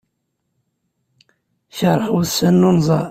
Keṛheɣ ussan n unẓar.